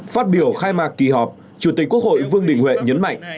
phát biểu khai mạc kỳ họp chủ tịch quốc hội vương đình huệ nhấn mạnh